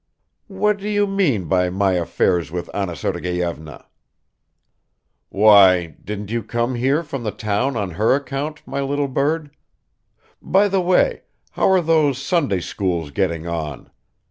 "What do you mean by my affairs with Anna Sergeyevna?" "Why, didn't you come here from the town on her account, my little bird? By the way, how are those Sunday schools getting on?